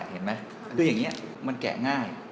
เห็นมั้ยก็อย่างนี้มันแกะง่าย